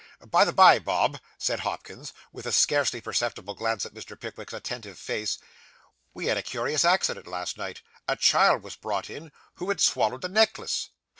'By the bye, Bob,' said Hopkins, with a scarcely perceptible glance at Mr. Pickwick's attentive face, 'we had a curious accident last night. A child was brought in, who had swallowed a necklace.